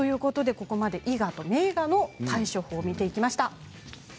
ここまでイガとメイガの対処法を見てきました。